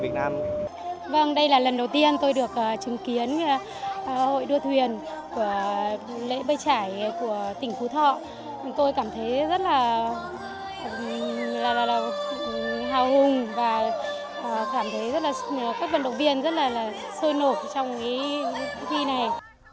vâng đây là lần đầu tiên tôi được chứng kiến hội đua thuyền của lễ bơi trải của tỉnh phú thọ tôi cảm thấy rất là hào hùng và cảm thấy rất là các vận động viên rất là sôi nổi trong thi này